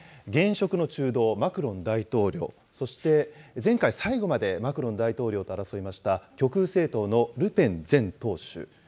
現職の中道、マクロン大統領、そして前回最後までマクロン大統領と争いました、極右政党のルペン前党首。